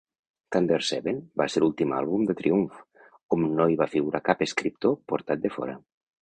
"Thunder Seven" va ser l'ultim àlbum de Triumph on no hi va figurar cap escriptor portat de fora.